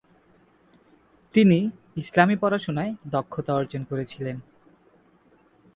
তিনি ইসলামী পড়াশুনায় দক্ষতা অর্জন করেছিলেন।